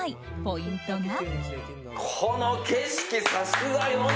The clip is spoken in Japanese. ポイントが。